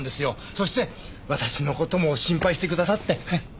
そして私の事も心配してくださって。